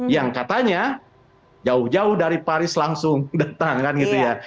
yang katanya jauh jauh dari paris langsung datang kan gitu ya